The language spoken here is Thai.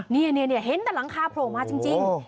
นี่เห็นแต่หลังคาโผล่มาจริง